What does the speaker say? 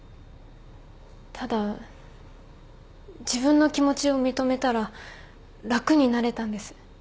ただ自分の気持ちを認めたら楽になれたんです。